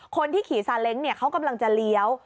คนที่ขี่ซาเล้งเขากำลังจะเลี้ยว